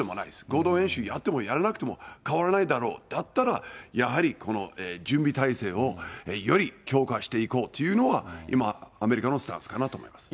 合同演習やってもやらなくても変わらないだろう、だったら、やはりこの準備態勢をより強化していこうというのが、今、アメリカのスタンスかなと思います。